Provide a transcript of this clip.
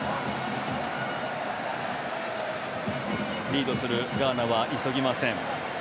リードするガーナは急ぎません。